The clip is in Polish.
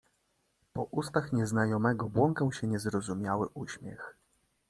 "Po ustach nieznajomego błąkał się niezrozumiały uśmiech."